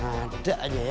ada aja ya